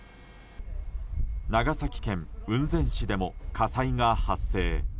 長野県雲仙市でも火災が発生。